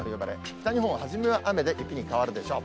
北日本は、はじめは雨で、雪に変わるでしょう。